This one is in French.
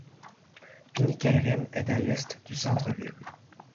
Pyynikinrinne est à l'est du centre ville.